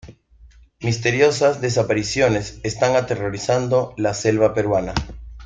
Misteriosas desapariciones están aterrorizando la selva peruana.